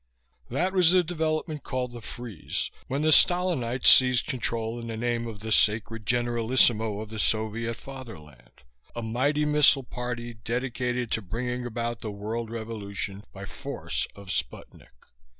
That was the development called the Freeze, when the Stalinites seized control in the name of the sacred Generalissimo of the Soviet Fatherland, a mighty missile party, dedicated to bringing about the world revolution by force of sputnik.